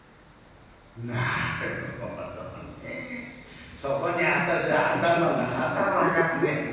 「なるほどね。そこに私は頭が働かねえんだよ。